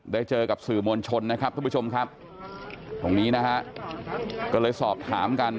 เจอกับสื่อมวลชนนะครับทุกผู้ชมครับตรงนี้นะฮะก็เลยสอบถามกัน